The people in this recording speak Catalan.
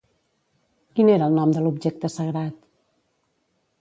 Quin era el nom de l'objecte sagrat?